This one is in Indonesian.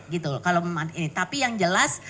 gitu kalau tapi yang jelas